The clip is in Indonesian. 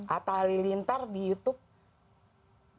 atta halilintar di youtube